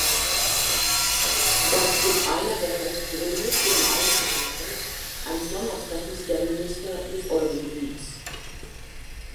Das ist einer der Hauptgründe für die Einberufung eines Sondertreffens der Minister des Eurogebiets.